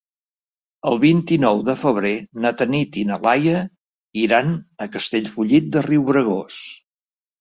El vint-i-nou de febrer na Tanit i na Laia iran a Castellfollit de Riubregós.